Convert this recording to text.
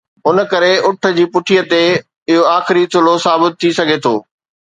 ان ڪري اُٺ جي پٺيءَ تي اهو آخري ٿلهو ثابت ٿي سگهي ٿو.